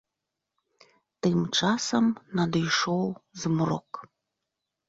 Тым часам надышоў змрок.